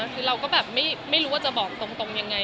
คือเราก็แบบไม่รู้ว่าจะบอกตรงยังไง